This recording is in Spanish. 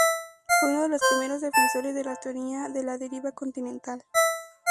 Fue uno de los primeros defensores de la teoría de la deriva continental.